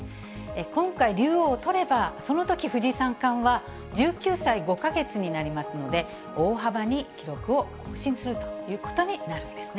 今回竜王をとれば、そのとき藤井三冠は１９歳５か月になりますので、大幅に記録を更新するということになるんですね。